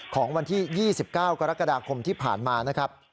ของวันที่๒๙กรกฎาคมที่ผ่านมานะครับ